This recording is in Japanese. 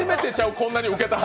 こんなにウケるの。